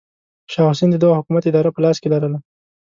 شاه حسین د دغه حکومت اداره په لاس کې لرله.